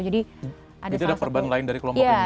jadi ada perban lain dari kelompok itu juga